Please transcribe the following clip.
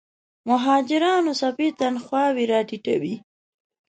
مهاجرانو څپې تنخواوې راټیټوي.